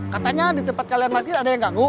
katanya di tempat kalian mati ada yang ganggu